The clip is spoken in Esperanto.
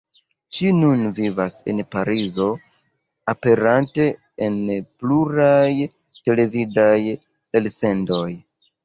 Ŝi nun vivas en Parizo, aperante en pluraj televidaj elsendoj.